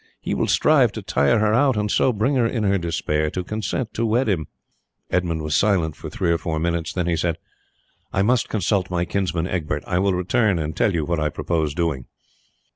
He will strive to tire her out, and so bring her in her despair to consent to wed him." Edmund was silent for three or four minutes; then he said: "I must consult my kinsman Egbert. I will return and tell you what I purpose doing."